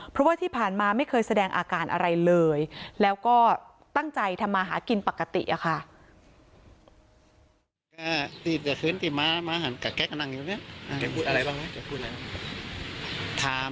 เพราะว่าที่ผ่านมาไม่เคยแสดงอาการอะไรเลยแล้วก็ตั้งใจทำมาหากินปกติอะค่ะ